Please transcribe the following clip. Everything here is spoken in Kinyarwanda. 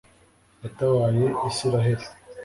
yatabaye israheli